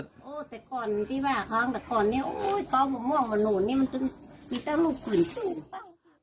แต่ก่อนนี้ตอบผมออกมาหนูมันต้องมีแต่รูปขึ้น